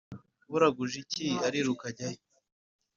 uraguje iki ariruka ajyahe?"